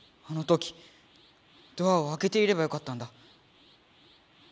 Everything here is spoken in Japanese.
あの時ドアをあけていればよかったんだ。